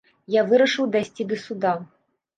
Я вырашыў дайсці да суда.